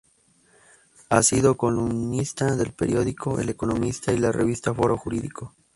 Ha sido columnista del periódico El Economista y la Revista Foro Jurídico.